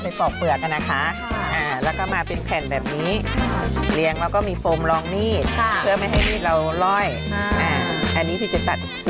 เหมือนจะเป็นสามเหลี่ยมแล้วนะ